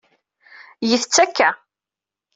Get-tt akka.